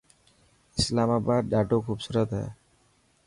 اسلاما آباد ڏاڌو خوبصورت هي.